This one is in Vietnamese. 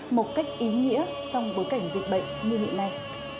một cách ý nghĩa trong bối cảnh dịch bệnh như hiện nay